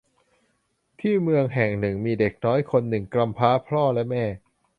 ที่เมืองแห่งหนึ่งมีเด็กน้อยคนหนึ่งกำพร้าพ่อและแม่